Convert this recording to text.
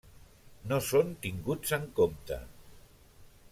No són tinguts en compte.